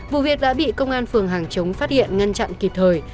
vụ việc đã bị công an phường hàng chống phát hiện ngăn chặn kịp thời